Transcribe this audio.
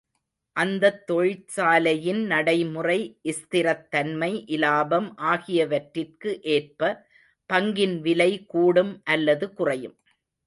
அந்தத் தொழிற்சாலையின் நடைமுறை, ஸ்திரத்தன்மை, இலாபம் ஆகியவற்றிற்கு ஏற்ப பங்கின் விலை கூடும் அல்லது குறையும்.